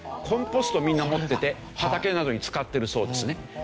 コンポストみんな持ってて畑などに使ってるそうですね。